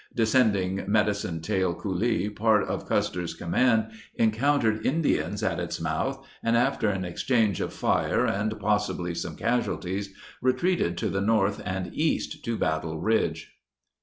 Descending Medicine Tail Coulee, part of Custer's command encountered In dians at its mouth and, after an exchange of fire and possibly some casualties, retreated to the north and east to Battle Ridge.